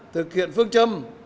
thực hiện phương châm